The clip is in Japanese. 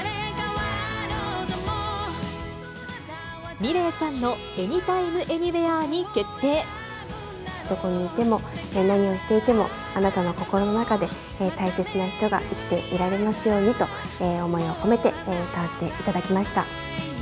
ｍｉｌｅｔさんのエニタイム・エどこにいても、何をしていても、あなたの心の中で大切な人が生きていられますようにと思いを込めて歌わせていただきました。